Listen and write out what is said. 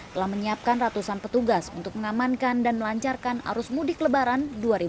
telah menyiapkan ratusan petugas untuk mengamankan dan melancarkan arus mudik lebaran dua ribu dua puluh